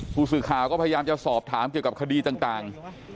ผู้สื่อข่าวก็พยายามจะสอบถามเกี่ยวกับคดีต่าง